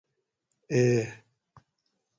اے